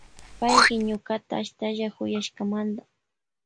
Payki ñukata ashtalla kuyashkamanta.